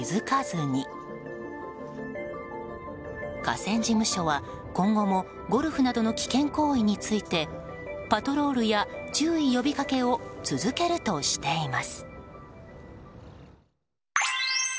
河川事務所は今後もゴルフなどの危険行為についてパトロールや注意呼びかけを続けるとしています。